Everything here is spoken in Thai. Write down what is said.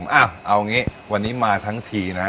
เอ้าเอางี้วันนี้มาทั้งทีนะ